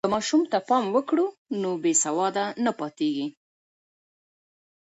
که ماشوم ته پام وکړو، نو بې سواده نه پاتې کېږي.